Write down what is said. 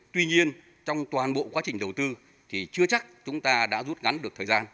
tuy nhiên trong toàn bộ quá trình đầu tư thì chưa chắc chúng ta đã rút ngắn được thời gian